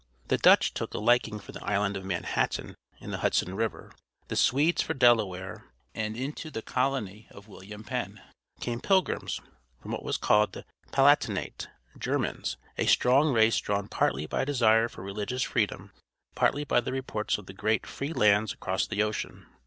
The Dutch took a liking for the Island of Manhattan and the Hudson River, the Swedes for Delaware, and into the colony of William Penn came pilgrims from what was called the Palatinate, Germans, a strong race drawn partly by desire for religious freedom, partly by the reports of the great free lands across the ocean.